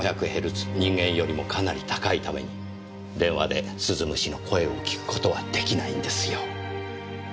人間よりもかなり高いために電話で鈴虫の声を聞くことは出来ないんですよ。